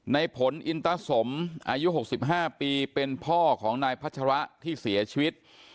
ในผลอินตสมอายุ๖๕ปีเป็นพ่อของนายพัชระที่เสียชีวิต